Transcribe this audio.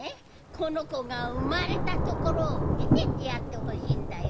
このこがうまれたところをみせてやってほしいんだよ。